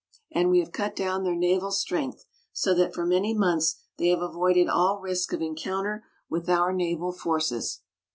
And we have cut down their naval strength, so that for many months they have avoided all risk of encounter with our naval forces.